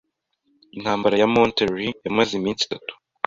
Intambara ya Monterrey yamaze iminsi itatu.